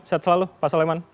sehat selalu pak soleman